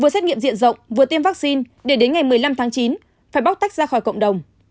vừa xét nghiệm diện rộng vừa tiêm vaccine để đến ngày một mươi năm tháng chín phải bóc tách ra khỏi cộng đồng